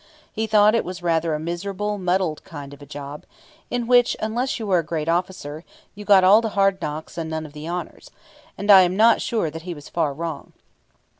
He thought it was rather a miserable, muddled kind of a job, in which, unless you were a great officer, you got all the hard knocks and none of the honours; and I am not sure that he was far wrong.